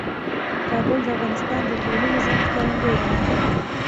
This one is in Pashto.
کابل د افغانستان د اقلیمي نظام ښکارندوی ده.